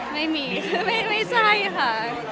ไม่มีค่ะไม่ใช่ค่ะ